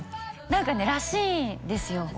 何かねらしいんですよ